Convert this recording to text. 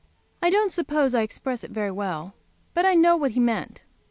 I don't suppose I express it very well, but I know what he meant.